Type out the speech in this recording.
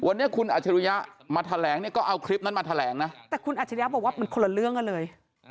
วันนี้คุณอัจฉริยะมาแถลงเนี่ยก็เอาคลิปนั้นมาแถลงนะแต่คุณอัจฉริยะบอกว่ามันคนละเรื่องกันเลย